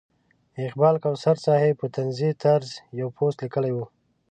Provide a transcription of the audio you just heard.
اقبال کوثر صاحب په طنزي طرز یو پوسټ لیکلی و.